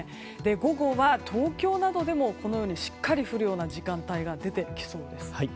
午後は東京などでもしっかり降るような時間帯が出てきそうです。